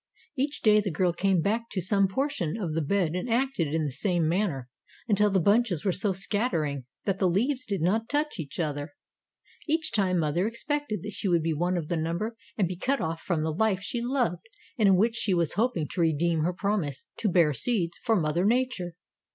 "Each day the girl came back to some portion of the bed and acted in the same manner until the bunches were so scattering that the leaves did not touch each other. Each time mother expected that she would be one of the number and be cut off from the life she loved and in which she was hoping to redeem her promise to bear seeds for Mother Nature.